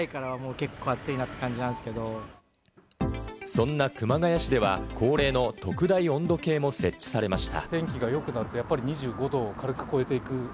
そんな熊谷市では、恒例の特大温度計も設置されました。